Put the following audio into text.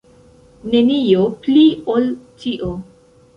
Nenio pli ol tio.